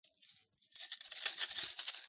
ჩაბმული იყო კოოპერაციული მოძრაობის განვითარებაში.